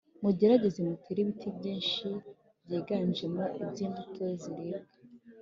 Mugerageze mutere ibiti byinshi byiganjemo ibyimbuto ziribwa